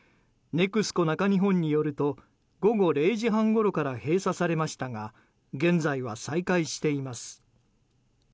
ＮＥＸＣＯ中日本によると午後０時半ごろから閉鎖されましたが現在は再開しています。